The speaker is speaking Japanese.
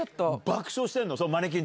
爆笑してんの？